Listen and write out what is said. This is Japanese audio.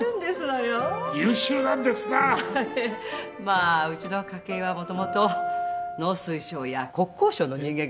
まあうちの家系はもともと農水省や国交省の人間が多いんですの。